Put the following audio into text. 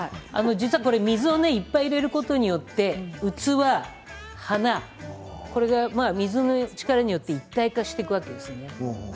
水をいっぱい入れることによって器、花、これが水の力によって一体化していくんですね。